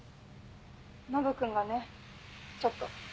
ノブ君がねちょっと。